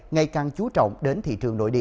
ngày càng chú trọng đến thị trường nội địa